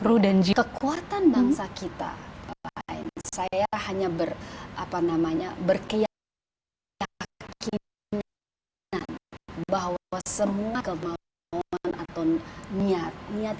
ru dan jiwa kuatan bangsa kita saya hanya berapa namanya berkira bahwa semua kemauan atau niat niat